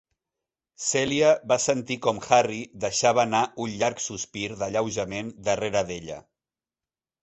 Celia va sentir com Harry deixava anar un llarg sospir d'alleujament darrere d'ella.